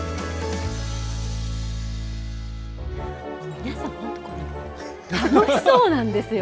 皆さん本当楽しそうなんですよ。